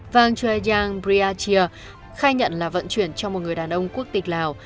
vang chue yang briachia khai nhận là vận chuyển cho một người đàn ông quốc tịch lào